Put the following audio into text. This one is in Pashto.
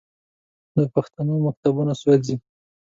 د پښتنو مکتبونه سوځوي.